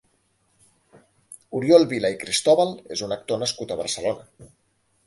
Oriol Vila i Cristóbal és un actor nascut a Barcelona.